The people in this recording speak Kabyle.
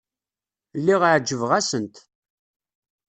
Lliɣ ɛejbeɣ-asent.